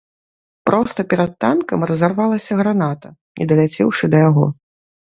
Проста перад танкам разарвалася граната, не даляцеўшы да яго.